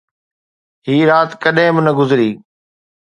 هي رات ڪڏهن به نه گذري